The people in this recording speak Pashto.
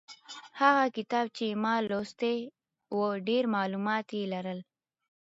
هغه کتاب چې ما لوستی و ډېر معلومات یې لرل.